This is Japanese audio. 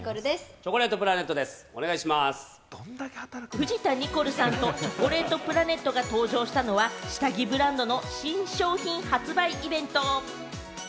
藤田ニコルさんとチョコレートプラネットのおふたりが登場したのは、下着ブランドの新商品発売イベント。